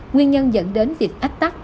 nguyên nhân dẫn đến việc ách tắt